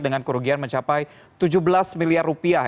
dengan kerugian mencapai tujuh belas miliar rupiah